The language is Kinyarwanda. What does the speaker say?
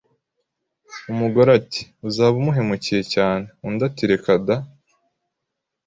Umugore ati uzaba umuhe mukiye cyane Undi ati reka da